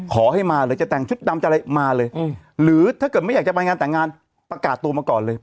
ขอให้มาเลยจะแต่งชุดดำจะอะไรมาเลยหรือถ้าเกิดไม่อยากจะไปงานแต่งงานประกาศตัวมาก่อนเลย